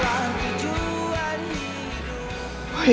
kau lah tujuan hidupku